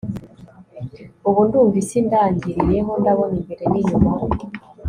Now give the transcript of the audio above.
ubu ndumva isi indangiriyeho ndabona imbere ninyuma